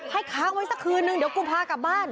ค้างไว้สักคืนนึงเดี๋ยวกูพากลับบ้าน